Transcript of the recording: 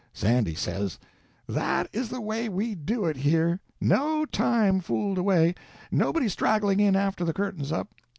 Sandy says,— "That is the way we do it here. No time fooled away; nobody straggling in after the curtain's up.